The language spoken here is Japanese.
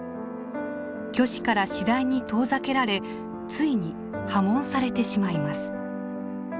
虚子から次第に遠ざけられついに破門されてしまいます。